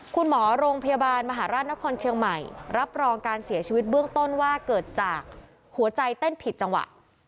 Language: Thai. คุณหมอโรงพยาบาลมหาราชนครเชียงใหม่รับรองการเสียชีวิตเบื้องต้นว่าเกิดจากหัวใจเต้นผิดจังหวะ